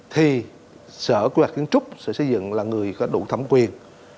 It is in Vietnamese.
thì sở quy hoạch kiến trúc sẽ xây dựng là người có đủ thẩm quyền